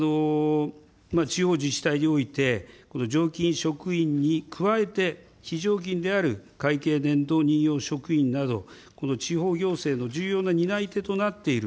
地方自治体において、常勤職員に加えて、非常勤である会計年度任用職員などこの地方行政の重要な担い手となっている